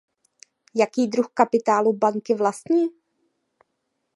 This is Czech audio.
Jaký druh kapitálu banky vlastní?